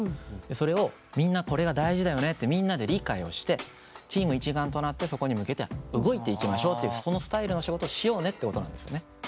それをみんなこれが大事だよねってみんなで理解をしてチーム一丸となってそこに向けて動いていきましょうっていうそのスタイルの仕事をしようねってことなんですよね。